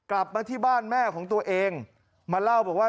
กลับมาที่บ้านแม่ของตัวเองมาเล่าบอกว่า